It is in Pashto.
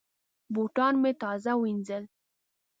بوټان مې تازه وینځل.